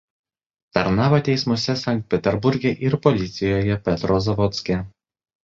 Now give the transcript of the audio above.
Tarnavo teismuose Sankt Peterburge ir policijoje Petrozavodske.